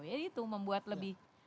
jadi itu membuat lebih mudah